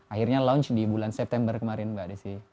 akhirnya launch di bulan september kemarin mbak desi